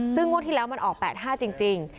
ซึ่งงวดที่แล้วมันออก๘๕จริง